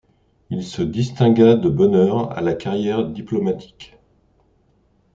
Il se distingua de bonne heure à la carrière diplomatique.